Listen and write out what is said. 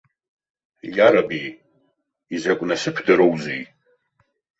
Иараби, изакә насыԥдароузеи!